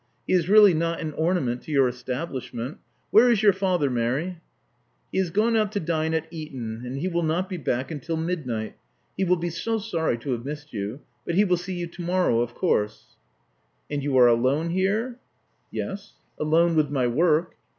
He is really not an ornament to your establish ment. Where is your father, Mary?" "He has gone out to dine at Eton; and he will not be back until midnight. He will be so sorry to have missed you. But he will see you to morrow, of course. '' "And you are alone here?" "Yes. Alone with my work."